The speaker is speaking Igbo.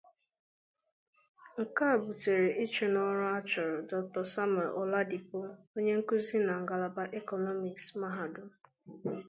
Nke a butere ịchụ n'ọrụ achụrụ Dr Samuel Oladipo, onye nkuzi na Ngalaba Economics, Mahadum.